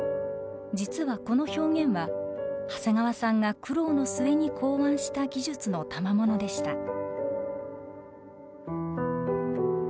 実はこの表現は長谷川さんが苦労の末に考案した技術のたまものでした。